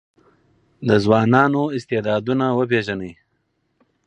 د ځوانانو استعدادونه وپېژنئ.